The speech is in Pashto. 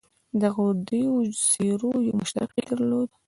دغو دریو څېرو یو مشترک ټکی درلود.